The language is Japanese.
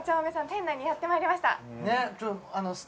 店内にやってまいりました